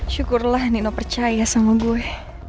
syukurlah nino percaya sama gue